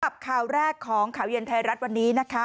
กับข่าวแรกของข่าวเย็นไทยรัฐวันนี้นะคะ